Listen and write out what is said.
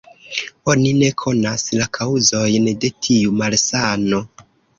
Oni ne konas la kaŭzojn de tiu malsano.